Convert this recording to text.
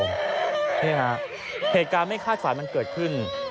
นี่ฮะเหตุการณ์ไม่คาดฝันมันเกิดขึ้น